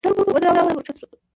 موټر مو ودراوه زه ورکښته سوم.